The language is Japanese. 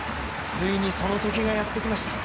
ついにそのときがやってきました。